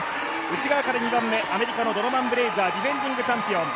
内側から２番目アメリカのドノバン・ブレイザーディフェンディングチャンピオン。